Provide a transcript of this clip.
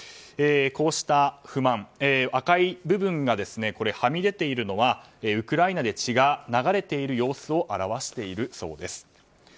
こうした不満赤い部分がはみ出ているのはウクライナで血が流れている様子を表しているそうです。